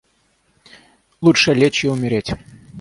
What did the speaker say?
Лучше лечь и умереть.